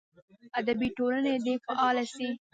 ادبي ټولنې دې فعاله سي.